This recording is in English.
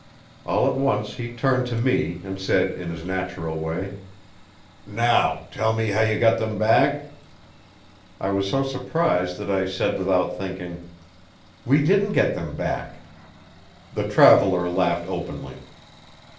All at once he turned to me and said in his natural way: "Now tell me how you got them back?" I was so surprised that I said without thinking: "We didn't get them back!" The traveller laughed openly.